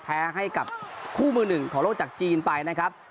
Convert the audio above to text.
แพ้ให้กับคู่มือหนึ่งของโลกจากจีนไปนะครับ